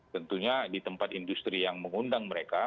tentunya di tempat industri yang mengundang mereka